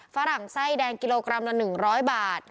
ฝรั่งไส้แดงกิโลกรัมละ๑๐๐บาท